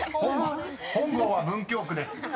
本郷は文京区です］